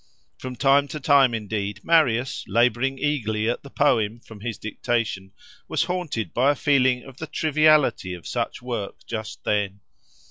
From time to time, indeed, Marius, labouring eagerly at the poem from his dictation, was haunted by a feeling of the triviality of such work just then.